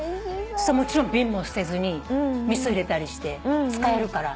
もちろん瓶も捨てずに味噌入れたりして使えるから。